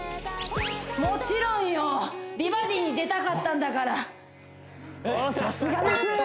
もちろんよ美バディに出たかったんだからさすがです！